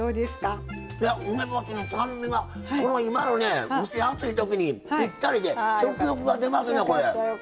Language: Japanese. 梅干しの酸味が今の蒸し暑いときにぴったりで食欲が出ますね。